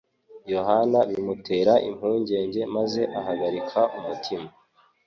Yohana bimutera impungenge maze ahagarika umutima.